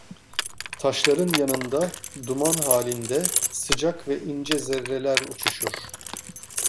Taşların yanında, duman halinde, sıcak ve ince zerreler uçuşur.